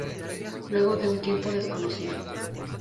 Luego de un tiempo desconocido.